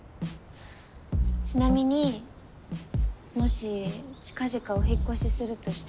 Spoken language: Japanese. ちなみにもし近々お引っ越しするとして。